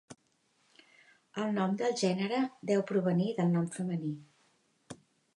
El nom del gènere deu provenir del nom femení.